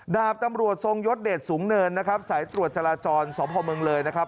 ดาบตำรวจทรงยศเดชสูงเนินนะครับ